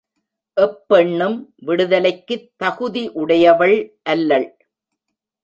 எப்பெண்ணும் விடுதலைக்குத் தகுதி உடையவள் அல்லள்.